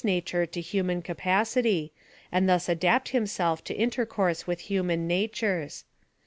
nature to human capacity, and thus adapt himself to inter course with human natures.